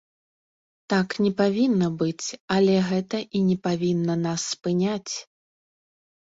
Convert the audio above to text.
Так не павінна быць, але гэта і не павінна нас спыняць.